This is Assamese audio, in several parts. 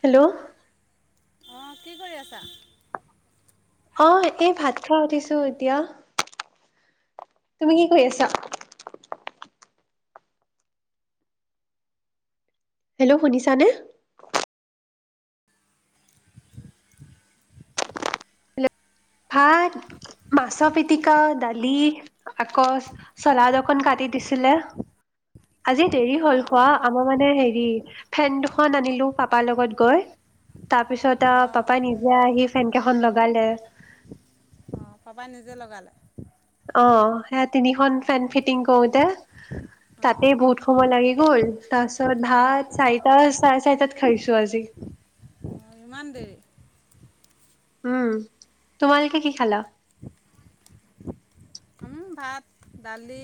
হেল্ল'অ, অ' কি কৰি আছা? অহ, এই ভাত খাই উঠিছো এতিয়া তুমি কি কৰি আছা? হেল্ল' শুনিছানে? ভাত - মাছৰ, পিতিকা -দালি আকৌ চালাদ অকণ কাটি দিছিলে। আজি দেৰি হ'ল অঁ খোৱা আমাৰ মানে হেৰি, ফেন দুখন আনিলোঁ পাপাৰ লগত গৈ। তাৰ পিছত আৰু অঁ পাপাই নিজে আহি ফেন কেইখন ল, গালে। অঁ পাপাই নিজে লগালে। অ' সেইট তিনিখন ফেন ফিটিং কৰোতে অঁ তাতে বহুত সময় লাগে বল। তাৰপিছত অঁ ভাত চাৰিটা, চাৰে চাৰিটা চাৰিটাত খাইছো আজি ইমান দেৰি- উম তোমালোকে কি খালা। ভাত দালি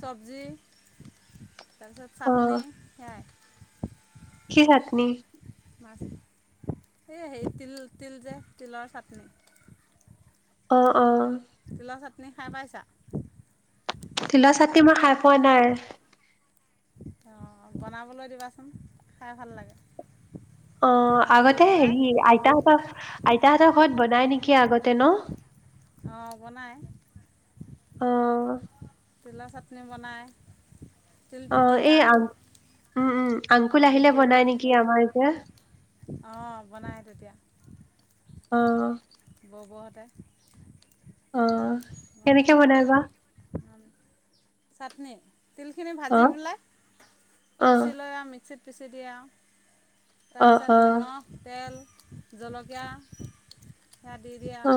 চব্জি তাৰপছত অ চাটনি সেইয়াই [inaudible] কি চাটনি? এই সে তিল, তিল যে তিলৰ চাটনি। অ, অ। তিলৰ চাটনি খাই পাইছা? তিলৰ চাটনি মই খাই পোৱা নাই। অঁ বনাবলৈ দিবাচোন। খাই ভাল লাগে। অ তিল ভাজি আগতে পেলাই হেৰি আইতাহঁতৰ আইতাহঁতৰ ঘৰত বনাই নেকি আগতে ন? অ বনায়। অ। তিলৰ চাটনি বনায় তিল অ এই পিটিকা আ উম, উম। আংকুল আহিলে বনাই নেকি আমাৰ ইয়াত। অ বনাই তেতিয়া। অ। বৌহতে অ কেনেকে বনাই বা? চাটনি? তিল খিনি অ ভাজি পেলাই, অ পিচি লৈ আৰু মিক্সিত পিছি দিয়ে আও। অ তাৰপিছত অ নিমখ, তেল জলকীয়া সেয়া দি দিয়ে আও। অ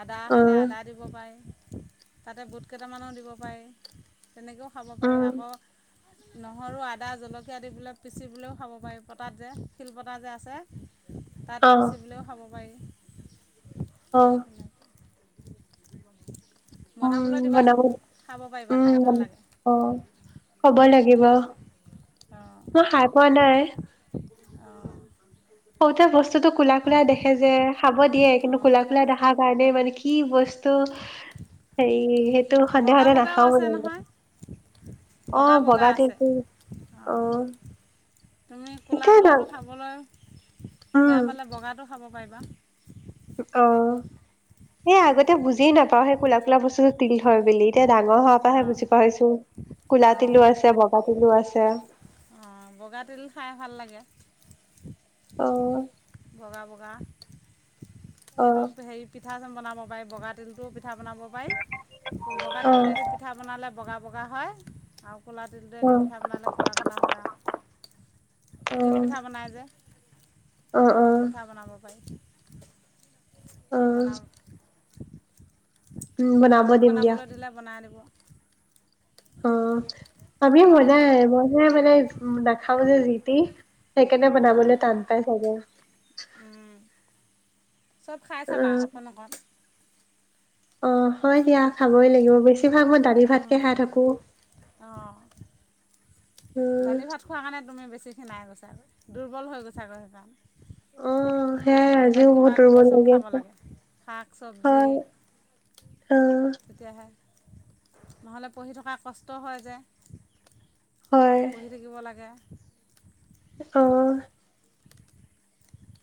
আদা অ খালে আদা দিব পাৰি। তাতে বুট কেইটামানো দিব পাৰি। তেনেকৈও খাব পাৰি। উম আকৌ নহৰু, আদা, জলকীয়া দি পেলাই পিচি পেলাইও খাব পাৰি পতাত যে শিল পতা যে আছে। তাত অ পিচিবিলেও খাব পাৰি। পাৰি। অ। উম বনাবলৈ দিবাচোন, বনাব খাব পাৰিবা। খাই উম ভাল লাগে। অ কব লাগিব। মই খাই পোৱা নাই। [unintelligible] অ। সতে বস্তুটো কোলা কোলা দেখে যে। খাব দিয়ে কিন্তু অঁ কোলা কোলা দেখাৰ কাৰণে মানে কি বস্তু হেৰি বগা সন্দেহতে বগাও নাখাও আছে মানে। নহয় অ বগা বগা বগাটো আছে একো অ তুমি কোলা এতিয়া না কোলাটো খাবলৈ। বেয়া উম পালে বগাটো খাব পাৰিব। বা। অ সেই আগতে বুজি নাপাওঁ সেই কোলা কোলা বস্তু তিল হয় বুলি। ডাঙৰ হ পৰা হে অঁ বুজি পাইিছো কলা অঁ তিলো আছে বগা। টিলো আছে। অঁ বগা তিল খাই ভাল লাগে। অ বগা বগা। অ সেইটো হেৰি পি। পিঠা চন বনাব পা বগা তিলটোও পিঠা বনাব পাৰি। পায়ি বগা অ তিলটোকে দি পিঠা বনালে। বগা বগা হয় আওঁ। ক'লা তিলটোৱে অ অ দি পিঠা বনালে ক'লা ক'লা হয় আ তিলপিঠা বনাই যে। অ সেই অ তিলপিঠা বনাব পাৰি। অ [unintelligible] বনাম। [unintelligible] উম বনাব মামীক দিম দিয়া বনাবলৈ দিলে বনাই দিব। অ। আমি ক'বা আৰু মনাই মনাই মানে। নেখাও যে যিতি। সেইকাৰণে অঁ বনাবলৈ টান পাই চাগে। চব খাই চাবা উম অকণ অকণ। অ। হয় দিয়া খাবই লাগিব বেছিভাগ মই দালি ভাতকে খাই থাকো। অঁ উম দালি ভাত খোৱাৰ কাৰণে তুমি বেছি। ছিখিনাই গৈছেগৈ দুৰ্বল হৈ গৈছোগৈ অ সেইকাৰণে? সেয়াই আজিও বেলেগ কিব বহুত কিবি দুৰ্বল চব লাগি খাব আছে লাগে শাক চবজি হয় অ তেতিয়াহে। নহ'লে পঢ়ি থকা কষ্ট হয় যে। হয় পঢ়ি থাকিব লাগে। আহ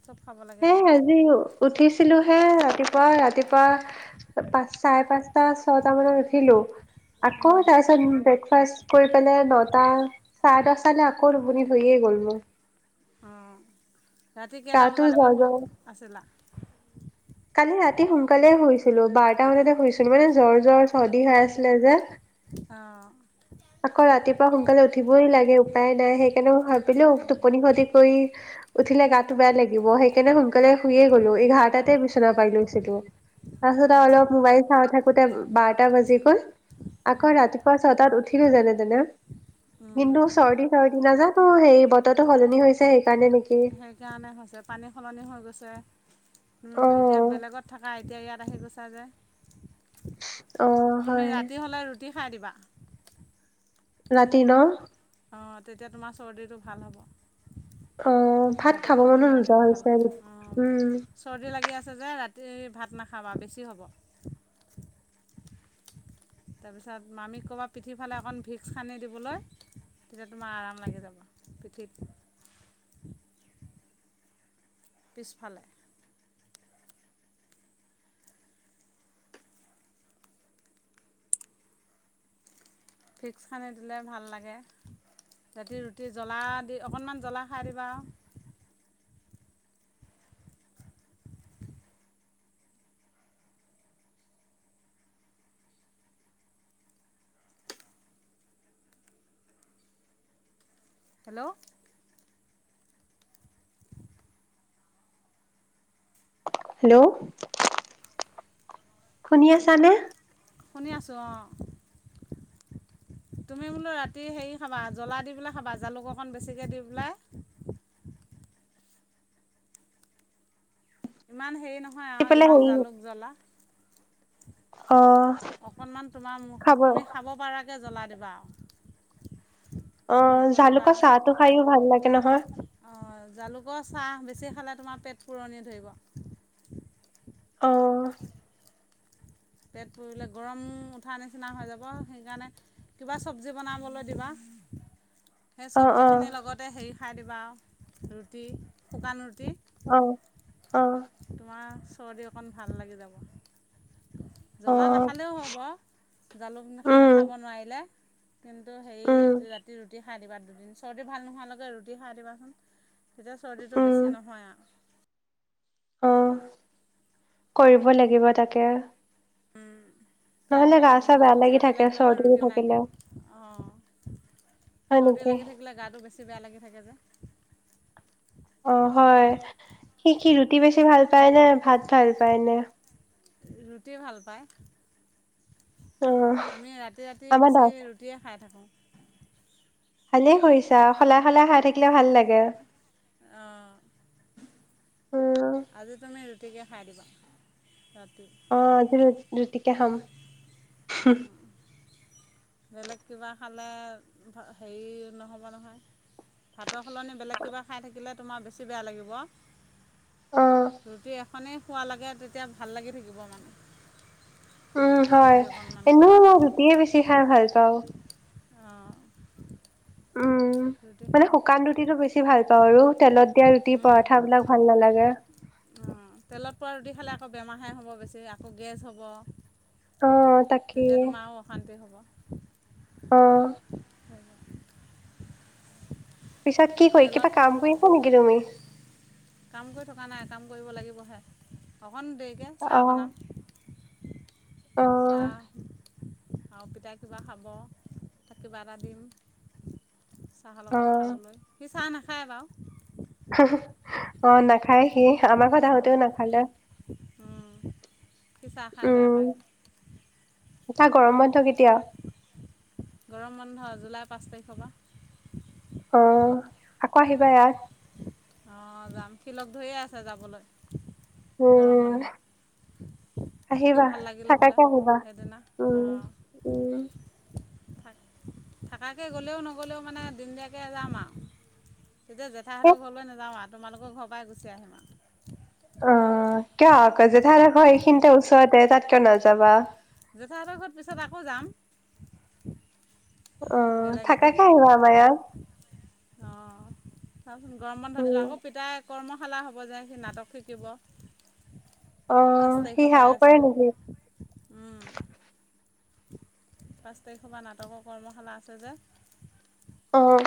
চব খাব লাগে হে তেতিয়া আজি উঠিছিলো? সে ৰাতিপুৱা ৰাতিপুৱা পাচ চাৰে পাঁচটা ছয়টা মানত উঠিলো। আকৌ তাৰ পাছত ব্ৰেকফাষ্ট কৰি পেলাই নটা চাৰে দটালৈ আকৌ টোপনি ধৰিয়ে গ'ল মোৰ অঁ ৰাতি কেইটা গাটো জ্বৰ বজালৈকে জ্বৰ আছিলা কালি ৰাতি সোনকালে শুইছিলো বাৰটা মানতে শুইছিলো মানে জ্বৰ জ্বৰ চৰ্দি হৈ আছিলে যে অঁ আকৌ ৰাতিপুৱা সোনকালে উঠিবই লাগে উপায় নাই সেইকাৰণে ভাবিলো টোপনি খতি কৰি উঠিলে গাত টো বেয়া লাগিব সেইকাৰণে সোনকালে শুইয়ে গ'লো এঘাৰটাতে বিচনা পাই লৈছিলো তাৰপাছত অঁ অলপ মোবাইল চা থাকোতে বাৰটা বাজি গল আকৌ ৰাতিপুৱা ছটাত উঠি কি জানে তেনে দিনটো চৰ্দি চ নাজানো সেই বতৰো সলনি হৈছে সেইকাৰণে নেকি সেইকাৰণে এতিয়া পানী সলনি হৈ গৈছে উম এতিয়া অ', বেলেগত থাকা এতিয়া ইয়াত আহি গৈছা যে অ', তুমি হয় ৰাতি হলে ৰুটি ৰুটি খাই দিবা ৰাতি ন অ তেতিয়া তোমাৰ চৰ্দিটো ভাল অ হ'ব ভাত ৰাতি খাব মনো টোপনিও নোযোৱা আহিব হৈছে ভালকে অ উম চৰ্দি লাগি আছে তই যে ৰাতি ভাত নাখাবা বেছি হ'ব তাৰপিছত মামী ক'বা পিঠি ফালে অকণ ভিক্স হানি দিবলৈ তেতিয়া তোমাৰ আৰাম লাগি যাব পিঠিত পিছফালে ভিক্স হানি দিলে ভাল লাগে ৰাতি ৰুটি জ্বলা দি অকণমান জ্বলা খাই দিবা আৰু হেল্ল' হেল্ল' শুনি আছা নে শুনি আছো অ তুমি বোলো ৰাতি হেৰি খাবা জ্বলা দি পেলাই খাবা জালুক অকণ বেছিকে দি পেলাই ইমান হেৰি নহয় নহয় আৰু পেলাই ইমান হেৰি জালুক জ্বলা অ অকনমান তোমাৰ খাব তুমি খাব পাৰা জ্বলাই দিবা আৰু অ মামীক কৈ দিবা জালুকৰ আৰু চাহটো খায়ো ভাল লাগে নহয়। চে খালে তোমাৰ পেট পুৰণি ধৰিব। অ। পেট পোৰিলে গৰম উঠা নিচিনা হৈ যাব সেইকাৰণে কিবা চবজি বনাবলৈ দিবা। সেই অ চবজি অ খিনি লগতে হেৰি খাই দি। বাও ৰুটি শুকান ৰুটি। অ। অ তোমাৰ। চৰ্দি অকণ ভাল লাগি যাব। অ জ্বলা নাখালেও হ'ব জালুক উম নাখাব নোৱাৰিলে। কিন্তু সেই উম ৰাতি ৰুটি। খাই দিবা দুদিন চৰ্দি ভাল নোহোৱালৈকে ৰুটি খাই দিবাচোন। তেতিয়া চৰ্দিটো বেছি নহয় আ। অহ কৰিব লাগিব তাকে। নহলে গা পিয়াতৰ চা বেয়া যিহতৰ লাগি চৰ্দি থাকে লাগিলে মই হৈ ৰুটি অননাই থাকিলে দিওঁ অঁ হয় চৰ্দি নেকি লাগি থাকিলে গাটো বেছি বেয়া লাগি থাকে যে। অ হয় সেইকাৰণে সি কি ৰু। টি বেছি ভাল পায় ন ভাত ভাল পায় নে। ৰুটি ভাল পায়। অ আমি ৰাতি ৰাতি আমাৰ দা বেছি ৰুটিয়ে খাই থাকো। ভালেই কৰিছা সলাই সলাই খাই থাকিলে ভাল লাগে অঁ উম। তিকে খাই দিবা ৰাতি। অ আজি ৰুটিকে খাম। [unintelligible] বেলেগ কিবা খালে হেৰি নহ'ব নহয় ভাত। ত সলনি বেলেগ কিবা খাইাকিলে। তোমাৰ বেছি বেয়া লাগিব। অ ৰুটি এখনে। খোৱ লাগে তেতিয়া ভাল লাগি থাকিব মান। উম হয় এনে মই ৰুটিয়ে বেছি খাই ভাল। কও। অ। উম মানে শুকান ৰুটটো বেছি। ভাল পাওঁ আৰু তেলত। এতিয়া ৰুটি খালে পৰঠা বিলাক ভাল নালাগে। অঁ তেলত পোৱা ৰুটি খালে আকৌ বেমাৰহে হ'ব বেছি আকৌ গেছ হ'ব। অ তাকে তেতিয়া তোমাৰো অশান্তি হ'ব। অ। পিছত কি কৰি তেলত কিবা কাম কৰি আছা নেকি তুমি? কাম কৰি থকা নাই কাম কৰিব লাগিবহে। অঁ দেৰিকে চাহ অ বনাম। অ চাহ। আৰু পিতাই কিবা খাব তাক কিবা এটা দিম। চাহৰ অ লগত খাবলৈ সি চাহ না। নাখায় বাওঁ অঁ না নাখায় সি আমাৰ ঘৰত অঁ আহোতেওঁ নাখালে সি চাহ খাই বেয়া পায় উম তাৰ গৰম বন্ধ কেতিয়া। গৰম বন্ধ জুলাই পাঁচ তাৰিখৰ পৰা। অঁ আকৌ আহিবা ইয়াত। অঁ যাম সিলগ ধৰিয়ে আছে যাবলৈ। গৰম উম বন্ধত থাকি আহিবা ভাল লাগিল বোলে থাকাকে আহিবা সেইদিনা উম উম থা থাকাকে গ'লেও নগ'লেও মানে দিনদিয়াকে যাম আৰু তেতিয়া জেঠাই এ হতৰ ঘৰলে নেজা। অঁ তোমালোকৰ ঘৰৰ পৰাই গুচি আহিম আৰু অঁ কিয় আকৌ জেঠাই এইখিনিতে ওচৰতে তাত কিয় নাযাবা। জেঠাই হতৰ ঘৰত পিছত আকৌ যাম। অঁ বেলেগ থাকা এদিন থাকে আহিবা আমাৰ ইয়াত চাওঁচোন গৰম বন্ধ দিলে উম আকৌ পিতাইক। কৰ্মশালা হ'ব যে সি নাটক শিকিব। অঁ পাঁচ সি তাৰিখৰ পৰাই সেইয়াও আছে পাৰে নেকি। উম, পাঁচ তাৰিখৰ পৰা নাটকৰ কৰ্মশালা আছে যে অঁ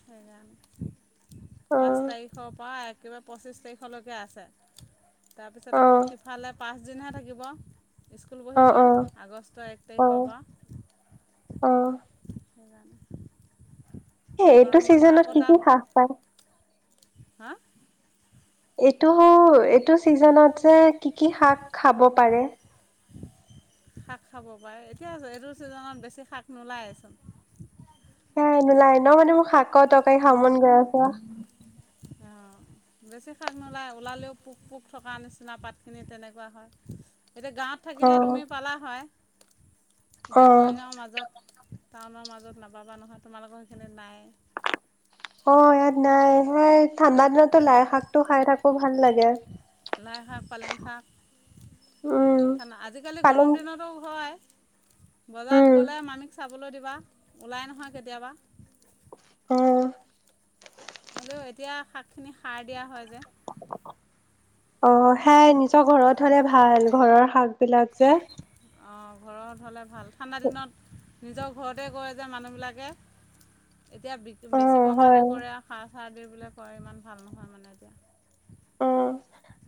সেইকাৰণে পাঁচ তাৰিখ পৰা এক। কিবা পঁচিছ তাৰিখলৈকে আছে। তাৰ পিছত অ আকৌ সিফালে পাচ। দিনহে থাকিব। স্কুল অ বহিবই আগষ্টৰ এক অ অ তাৰিখৰ পৰা অ সেইকাৰণে এইটো গৰম চিজনত কি কি হ্ৰাস পায়। হাঁ। এইটো এইটো চিজনত যে কি কি শাক খাব পাৰে। শাক খাব পাৰে এতিয়া এইটো চিজনত বেছি শাক নোলায়েচোন। সেয়া নোলাই ন মানে মোৰ শাক। ক টাকেই খাব মন গৈ আছে। অ বেছি শাক নোলাই ওলালেও পোক পোক থকাৰ নিচিনা পাতখিনি তেনেকোৱা হয় এতিয়া গাঁৱত অ থাকিলে তুমি পালা হয় অ এতিয়া মৰিগাঁৱৰ মাজত টাউনৰ মাজত নাপাবা নহয় তোমালোকৰ সেইখিনিত নাই অ ইয়াত নাই হয় ঠাণ্ডা দিনতো লাই শাক টো খাই থাকো ভাল লাগে লাই শাক পালেং শাক উম আজিকালি গৰম পালেং দিনতো হয় উম বজাৰত গ'লে মামি চাবলৈ দিবা ওলাই নহয় কেতিয়াবা উম হলেও এতিয়া শাক খিনি সাৰ দিয়া হয় যে অ সেইয়াই নিশ্চয় ত ঘৰত হ'লে ভাল ঘৰৰ শাক সেইবিলাকযে অঁ ঘৰত হ'লে ভাল ঠাণ্ডা দিনত নিজৰ ঘৰতে কয় যে মানুহবিলাকে এতিয়া অ বেচিবৰ হয় কাৰণে কৰে আৰু সাজ কঠা দি বোলে কয় ইমান ভাল নহয় মানে এতিয়া অ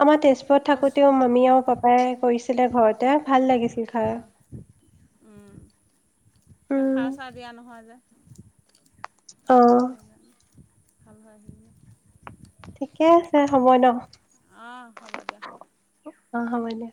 আমাৰ তেজপুৰত কচু থাকোঁতেও মামি আৰু পাপাই কৰিছিলে ঘৰত তে ভাল লাগিছিল খাই উম উম সাৰ চাৰ দিয়া নহয় যে অ সেইবাবে হাল বাই দিলে ঠিকে আছে হ'ব ন অঁ হ'ব দিয়া অ হ'ব দিয়া